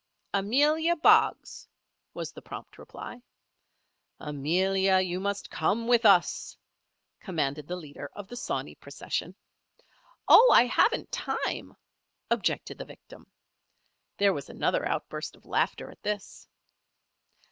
"Amelia Boggs," was the prompt reply. "Amelia, you must come with us," commanded the leader of the sawney procession. "Oh! I haven't time," objected the victim. There was another outburst of laughter at this.